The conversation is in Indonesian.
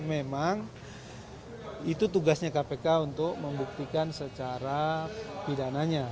memang itu tugasnya kpk untuk membuktikan secara pidananya